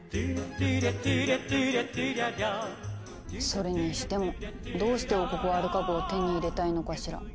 それにしてもどうして王国はアルカ号を手に入れたいのかしら？